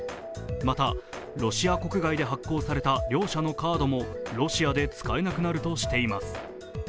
また、ロシア国外で発行された両社のカードもロシアで使えなくなるとしています。